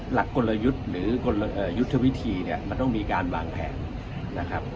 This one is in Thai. กลยุทธ์หรือยุทธวิธีเนี่ยมันต้องมีการวางแผนนะครับ